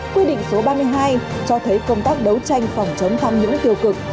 quy định số ba mươi hai cho thấy công tác đấu tranh phòng chống tham nhũng tiêu cực